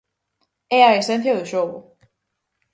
É a esencia do xogo.